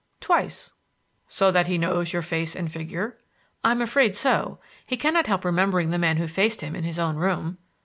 "Twice." "So that he knows your face and figure?" "I'm afraid so. He cannot help remembering the man who faced him in his own room."